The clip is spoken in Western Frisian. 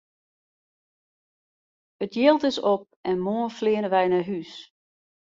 It jild is op en moarn fleane wy nei hús!